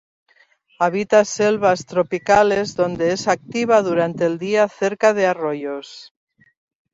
Habita selvas tropicales, donde es activa durante el día cerca de arroyos.